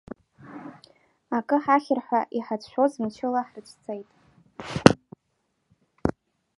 Акы ҳахьыр ҳәа иҳацәшәоз мчыла ҳрыцәцеит.